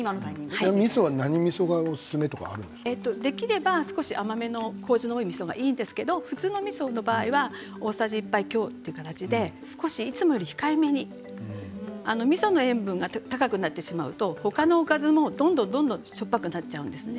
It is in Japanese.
みそは何みそがおすすめとかできれば甘めのこうじの多いみそがいいんですけれども普通のみそだったら大さじ１杯強ぐらいでいつもよりは控えめにみその塩分が高くなってしまうと他のおかずもどんどんしょっぱくなっちゃうんですね。